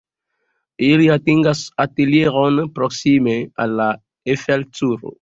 Ili atingas atelieron proksime al la Eiffel-Turo.